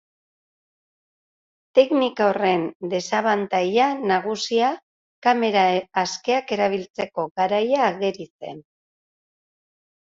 Teknika horren desabantaila nagusia kamera askeak erabiltzeko garaian ageri zen.